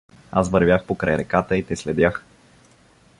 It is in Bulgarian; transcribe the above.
Аз вървях покрай реката и те следях.